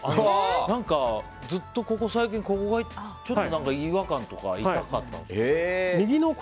何か、ずっとここ最近ちょっと違和感とか痛かったんですけど。